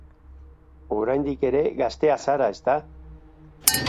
Oraindik ere gaztea zara, ezta?